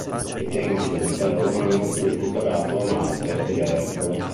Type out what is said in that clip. Ai tempi dell'Impero romano fu equiparato a Marte ed Ercole.